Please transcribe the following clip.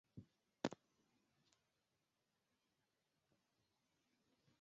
而故事的本质经由设置在疗养院中被加强。